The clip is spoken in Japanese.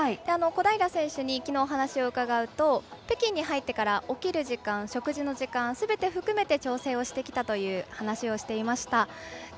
小平選手にきのうお話を伺うと北京に入ってから起きる時間、食事の時間すべて含めて調整をしてきたと話をしていました。